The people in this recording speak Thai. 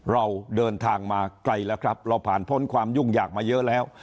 เราเดินทางมาไกลแล้วครับเราผ่านพ้นความยุ่งยากมาเยอะแล้ว